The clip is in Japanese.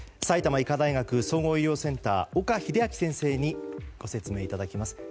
埼玉医科大学総合医療センター岡秀昭先生にご説明いただきます。